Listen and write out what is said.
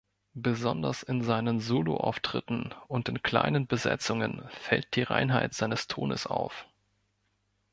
Besonders in seinen Solo-Auftritten und in kleinen Besetzungen fällt die Reinheit seines Tones auf.